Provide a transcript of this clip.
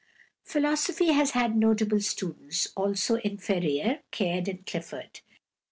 Philosophy has had notable students also in Ferrier, Caird, and Clifford.